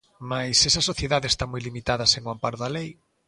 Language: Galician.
Mais esa sociedade está moi limitada sen o amparo da lei.